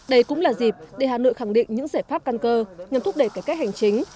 đây cũng là dịp để hà nội khẳng định những giải pháp căn cơ nhằm thúc đẩy cải cách hành chính